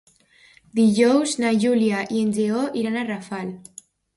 Dijous na Júlia i en Lleó iran a Rafal.